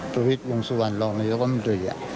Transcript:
ประวิทย์วงสุวรรณรองนายกรรมตรี